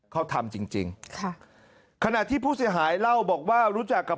เขาทำจริงจริงค่ะขณะที่ผู้เสียหายเล่าบอกว่ารู้จักกับ